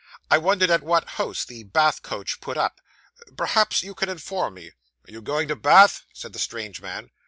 'I wondered at what house the Bath coach put up. Perhaps you can inform me.' Are you going to Bath?' said the strange man.